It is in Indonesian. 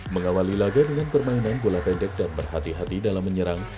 mengawali laga dengan permainan bola pendek dan berhati hati dalam menyerang